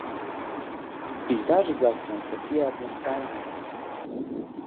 Пейзажы за акном такія аднастайныя.